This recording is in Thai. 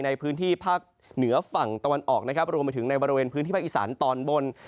ในบริเวณภาควักษ์อีสานตอนบน